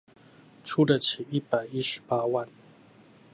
出得起一百一十八萬